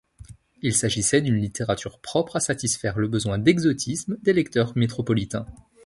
Il s'agissait d'une littérature propre à satisfaire le besoin d'exotisme des lecteurs métropolitains.